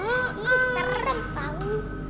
ini serem banget